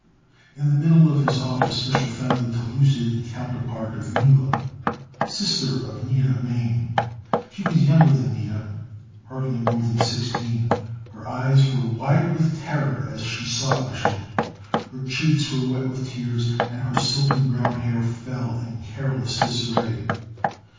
In the middle of his office Mich'l found the telucid counterpart of Mila, sister of Nida Mane. She was younger than Nida, hardly more than sixteen. Her eyes were wide with terror as she sought Mich'l. Her cheeks were wet with tears, and her silken brown hair fell in careless disarray.